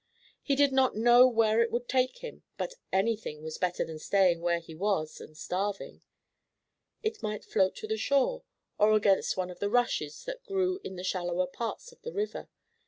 He did not know where it would take him, but anything was better than staying where he was and starving. It might float to the shore, or against one of the rushes that grew in the shallower parts of the river.